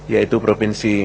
yaitu provinsi sumatera